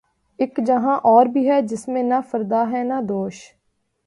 اک جہاں اور بھی ہے جس میں نہ فردا ہے نہ دوش